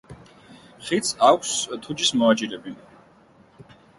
ხიდს აქვს თუჯის მოაჯირები.